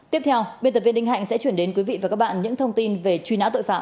tiếp theo biên tập viên đinh hạnh sẽ chuyển đến quý vị và các bạn những thông tin về truy nã tội phạm